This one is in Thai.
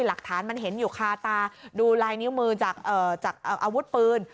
หลักฐานมันเห็นอยู่คาตาดูลายนิ้วมือจากอาวุธปืน